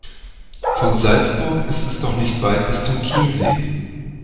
Von Salzburg ist es doch nicht weit bis zum Chiemsee.